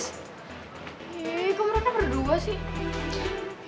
ehh kamar rana berdua sih